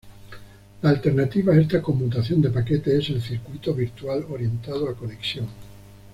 La alternativa a esta conmutación de paquetes es el circuito virtual, orientado a conexión.